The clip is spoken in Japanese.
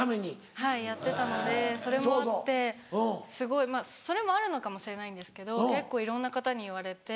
はいやってたのでそれもあってすごいまぁそれもあるのかもしれないんですけど結構いろんな方に言われて。